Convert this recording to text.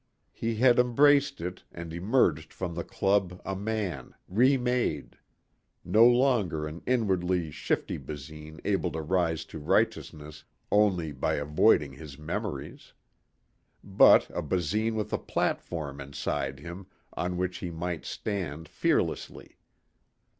He had embraced it and emerged from the club a man, remade. No longer an inwardly shifty Basine able to rise to righteousness only by avoiding his memories. But a Basine with a platform inside him on which he might stand fearlessly.